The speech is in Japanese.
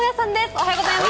おはようございます。